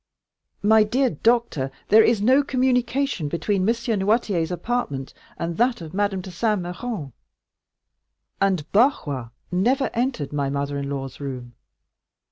"My dear doctor, there is no communication between M. Noirtier's apartment and that of Madame de Saint Méran, and Barrois never entered my mother in law's room.